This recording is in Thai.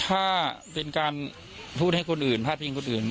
ถ้าเป็นการพูดให้คนอื่นพาดพิงคนอื่น